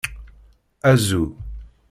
Azu.